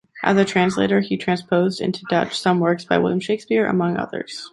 As a translator, he transposed into Dutch some works by William Shakespeare, among others.